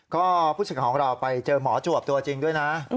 ก็พูดถึงของเราไปเจอหมอจวบตัวจริงด้วยนะ